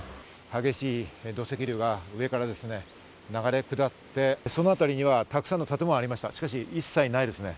激しい土石流が上から流れ下って、その辺りにはたくさんの建物がありましたが、一切ないですね。